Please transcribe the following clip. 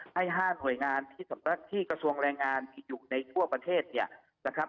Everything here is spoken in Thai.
ให้๕หน่วยงานที่กระทรวงแรงงานที่อยู่ในทั่วประเทศเนี่ยนะครับ